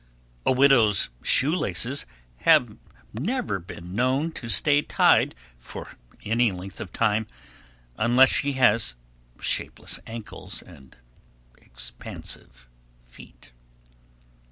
A widow's shoe laces have never been known to stay tied for any length of time, unless she has shapeless ankles and expansive feet.